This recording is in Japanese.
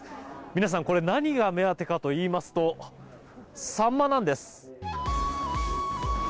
皆さん何が目当てかといいますとサンマなんです。